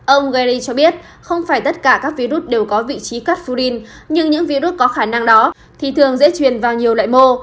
ông gheri cho biết không phải tất cả các virus đều có vị trí cắt fudin nhưng những virus có khả năng đó thì thường dễ truyền vào nhiều loại mô